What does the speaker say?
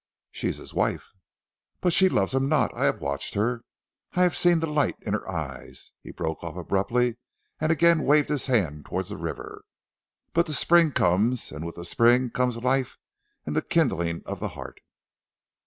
"She is his wife." "But she loves him not. I have watched her, I have seen the light in her eyes." He broke off abruptly, and again waved his hand towards the river. "But the spring comes, and with the spring comes life and the kindling of the heart."